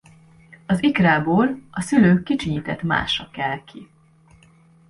Az ikrából a szülők kicsinyített mása kel ki.